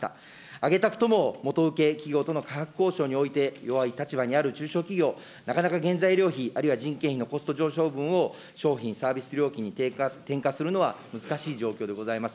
上げたくても元請け企業との価格交渉において弱い立場にある中小企業、なかなか原材料費、あるいは人件費のコスト上昇分を商品・サービス料金に転嫁するのは難しい状況でございます。